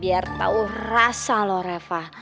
biar tau rasa loh reva